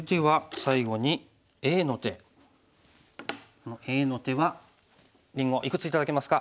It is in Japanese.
このＡの手はりんごいくつ頂けますか？